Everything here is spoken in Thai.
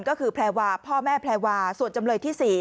ก็คือแพรวาพ่อแม่แพรวาส่วนจำเลยที่๔